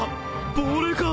亡霊か！？